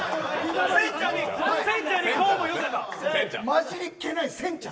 混じりっけないせんちゃん。